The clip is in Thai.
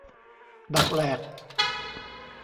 ดักแหลก